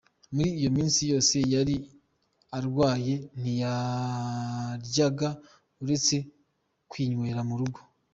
Muri iyo minsi yose yari arwaye ntiyaryaga uretse kwinywera mugo.